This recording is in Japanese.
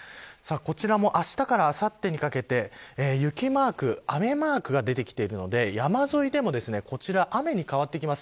あしたからあさってにかけて雪マーク、雨マークが出てきているので山沿いでもこちら雨に変わってきます。